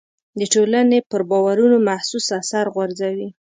د ټولنې پر باورونو محسوس اثر غورځوي.